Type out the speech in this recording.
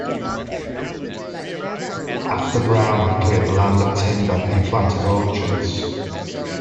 After Brown had cleared the land of timber, he planted orchards.